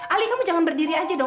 ali kamu jangan berdiri aja dong